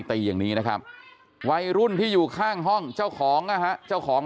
ตีอย่างนี้นะครับวัยรุ่นที่อยู่ข้างห้องเจ้าของนะฮะเจ้าของ